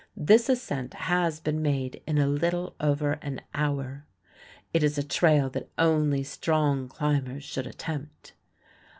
This ascent has been made in a little over an hour. It is a trail that only strong climbers should attempt.